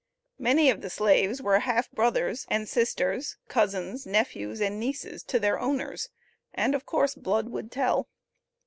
Many of the slaves were half brothers, and sisters, cousins, nephews, and nieces to their owners, and of course "blood would tell."